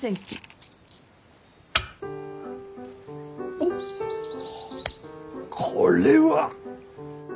おっこれは。